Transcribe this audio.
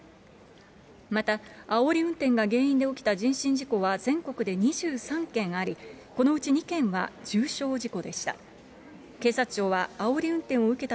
また、あおり運転が原因で起きた人身事故は全国で２３件あり、このうち２件は重傷事故でした。